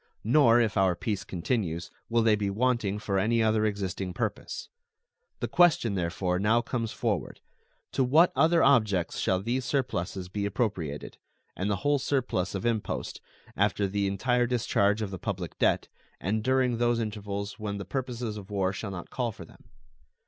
Nor, if our peace continues, will they be wanting for any other existing purpose. The question therefore now comes forward, To what other objects shall these surpluses be appropriated, and the whole surplus of impost, after the entire discharge of the public debt, and during those intervals when the purposes of war shall not call for them?